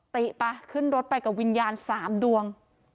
ติไปขึ้นรถไปกับวิญญาณ๓ดวง